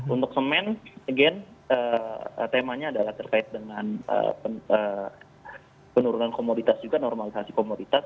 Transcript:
untuk semen again temanya adalah terkait dengan penurunan komoditas juga normalisasi komoditas